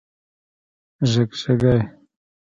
🦔 ږېږګۍ